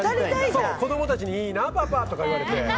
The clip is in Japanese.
子供たちにいいな、パパとか言われて。